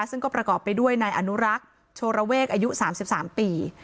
ซึ่งก็ประกอบไปด้วยนายอนุรักษ์โชระเวกอายุ๓๓ปี